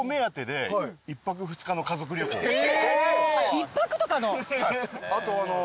１泊とかの？